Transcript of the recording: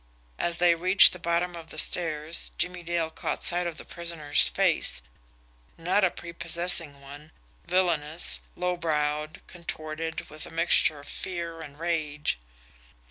As they reached the bottom of the stairs, Jimmie Dale caught sight of the prisoner's face not a prepossessing one villainous, low browed, contorted with a mixture of fear and rage.